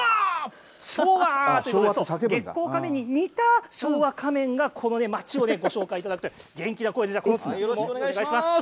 月光仮面に似た昭和仮面がここで町をご紹介いただくということでよろしくお願いします。